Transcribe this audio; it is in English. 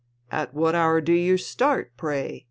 ' At what hour do you start, pray